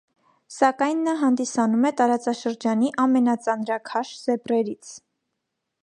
Սակայն նա հանդիսանում է տարածաշրջանի ամենածանրաքաշ զեբրերից։